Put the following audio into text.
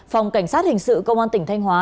phòng cảnh sát hình sự công an tỉnh thanh hóa